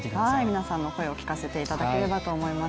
皆さんの声を聞かせていただければと思います